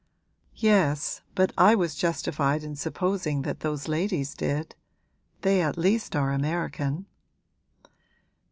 'Yes, but I was justified in supposing that those ladies did: they at least are American.'